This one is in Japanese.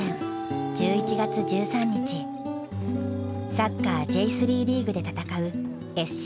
サッカーＪ３リーグで戦うＳＣ